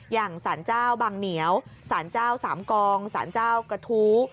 อย่างสารเจ้าบังเหนียวสารเจ้าสามกองสารเจ้ากระทู้